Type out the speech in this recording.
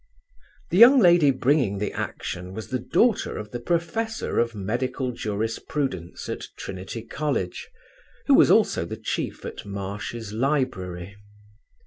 The young lady bringing the action was the daughter of the professor of medical jurisprudence at Trinity College, who was also the chief at Marsh's library.